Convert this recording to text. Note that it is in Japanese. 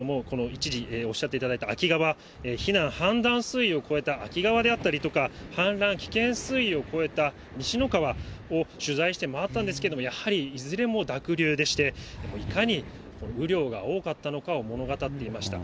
私もきょう、高知市からこの室戸市に移動している間ですけれども、一時、おっしゃっていただいた安芸川、避難氾濫水位を超えた安芸川であったりとか、氾濫危険水位を超えたにしの川を取材して回ったんですけれども、やはりいずれも濁流でして、いかに雨量が多かったのかを物語っていました。